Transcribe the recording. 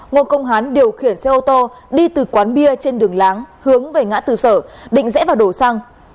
ngô công hán điều khiển xe ô tô đi từ quán bia trên đường láng hướng về ngã tư sở định rẽ vào đổ xăng